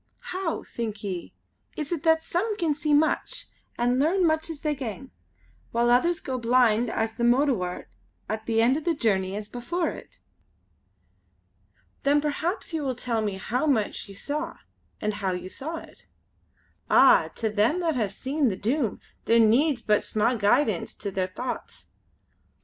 How, think ye, is it that some can see much, and learn much as they gang; while others go blind as the mowdiwart, at the end o' the journey as before it?" "Then perhaps you will tell me how much you saw, and how you saw it?" "Ah! to them that have seen the Doom there needs but sma' guidance to their thochts.